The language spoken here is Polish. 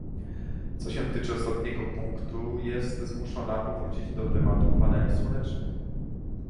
Co się tyczy ostatniego punktu, jest zmuszona powrócić do tematu paneli słonecznych